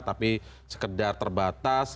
tapi sekedar terbatas